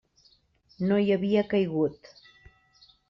No hi havia caigut.